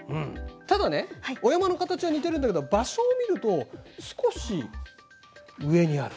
ただねお山の形は似ているんだけど場所を見ると少し上にある。